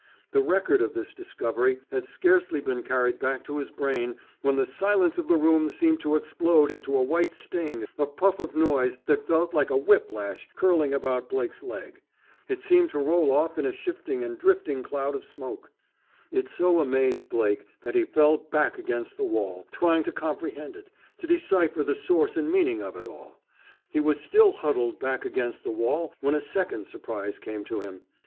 The record of this discovery had scarcely been carried back to his brain, when the silence of the room seemed to explode into a white sting, a puff of noise that felt like a whip lash curling about Blake's leg. It seemed to roll off in a shifting and drifting cloud of smoke. It so amazed Blake that he fell back against the wall, trying to comprehend it, to decipher the source and meaning of it all. He was still huddled back against the wall when a second surprise came to him.